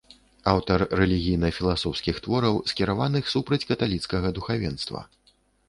Аўтар рэлігійна-філасофскіх твораў, скіраваных супраць каталіцкага духавенства.